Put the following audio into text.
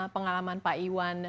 pengalaman pak iwan